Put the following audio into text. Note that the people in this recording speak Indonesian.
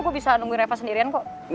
gue bisa nunggu reva sendirian kok